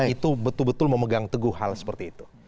itu betul betul memegang teguh hal seperti itu